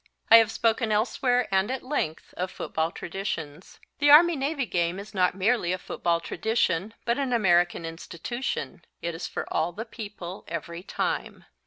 I have spoken elsewhere and at length of football traditions. The Army Navy game is not merely a football tradition but an American institution. It is for all the people every time.